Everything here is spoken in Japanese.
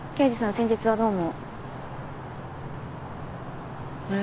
先日はどうもあれ？